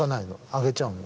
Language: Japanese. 上げちゃうの。